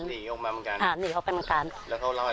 หนีออกมาเหมือนกันค่ะหนีเขาไปเหมือนกันแล้วเขาเล่ากัน